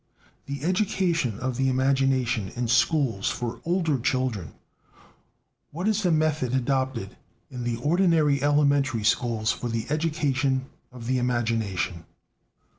=The education of the imagination in schools for older children=. What is the method adopted in the ordinary elementary schools for the education of the imagination?